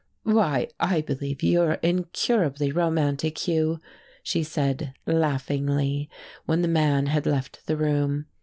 "Why, I believe you're incurably romantic, Hugh," she said laughingly, when the men had left the room.